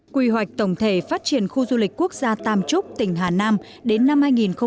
quy hoạch tổng thể phát triển khu du lịch quốc gia tam trúc tỉnh hà nam đến năm hai nghìn ba mươi